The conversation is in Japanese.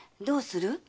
どうする？